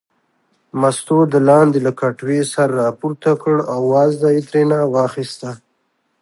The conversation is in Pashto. مستو د لاندې له کټوې سر راپورته کړ او وازده یې ترېنه واخیسته.